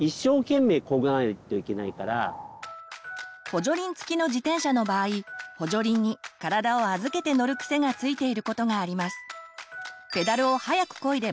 補助輪付きの自転車の場合補助輪に体を預けて乗る癖がついていることがあります。